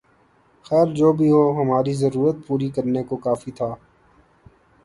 خیر جو بھی ہو ، ہماری ضرورت پوری کرنے کو کافی تھا